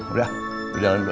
udah jalan dulu